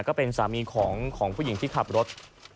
ก็เป็นสามีของผู้หญิงที่ขับรถ